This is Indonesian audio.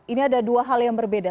ini ada dua hal yang berbeda